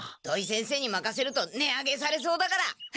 土井先生にまかせると値上げされそうだから！